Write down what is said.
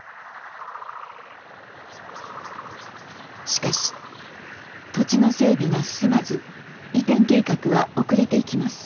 しかし土地の整備が進まず移転計画は遅れていきます。